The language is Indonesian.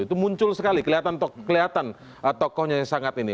itu muncul sekali kelihatan tokohnya yang sangat ini